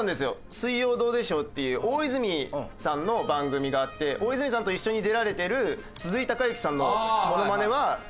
『水曜どうでしょう』っていう大泉さんの番組があって大泉さんと一緒に出られてる鈴井貴之さんのモノマネはできるんですけど。